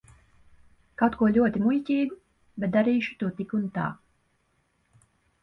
Kaut ko ļoti muļķīgu, bet darīšu to tik un tā.